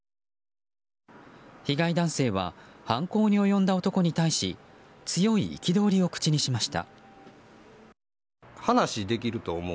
被害男性は犯行に及んだ男に対し強い憤りを口にしました。